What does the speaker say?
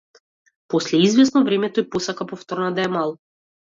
После извесно време, тој посака повторно да е мал.